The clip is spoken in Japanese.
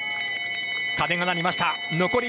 鐘が鳴りました。